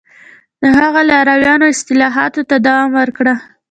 د هغه لارویانو اصلاحاتو ته دوام ورکړ